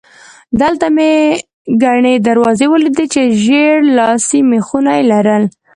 دلته مې ګڼې دروازې ولیدې چې ژېړ لاسي مېخونه یې لرل.